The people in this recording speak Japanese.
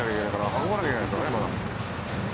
運ばなきゃいけないからねまだ。